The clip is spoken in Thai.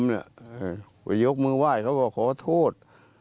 ไปยกมือไหว้เขาบอกขอโทษ